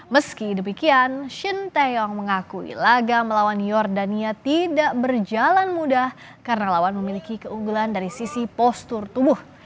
meski demikian shin taeyong mengakui laga melawan jordania tidak berjalan mudah karena lawan memiliki keunggulan dari sisi postur tubuh